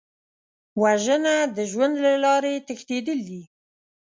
وژنه د ژوند له لارې تښتېدل دي